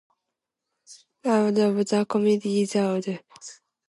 Rapporteur of the Committee is the Honorable Suzanne Vos from South Africa.